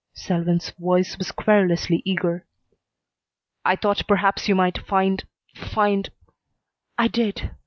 Selwyn's voice was querulously eager. "I thought perhaps you might find find " "I did."